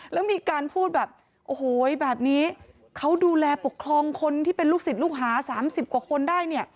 แล้วมีการพูดแบบโอ้โหแบบนี้เขาดูแลปกครองคนที่เป็นลูกศิษย์ลูกหา๓๐กว่าคนได้เนี่ย